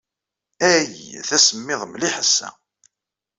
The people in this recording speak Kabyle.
Ay, d asemmiḍ mliḥ ass-a.